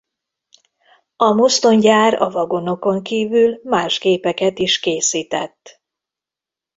A mozdonygyár a vagonokon kívül más gépeket is készített.